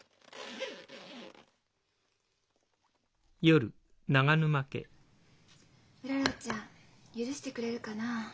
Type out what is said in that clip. うららちゃん許してくれるかな？